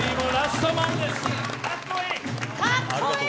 かっこいい！